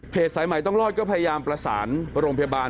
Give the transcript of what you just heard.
สายใหม่ต้องรอดก็พยายามประสานโรงพยาบาล